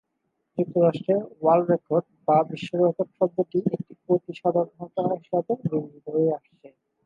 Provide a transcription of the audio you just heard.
যুক্তরাষ্ট্রে world record বা বিশ্বরেকর্ড শব্দটি একটি অতি সাধারণ ঘটনা হিসেবে বিবেচিত হয়ে আসছে।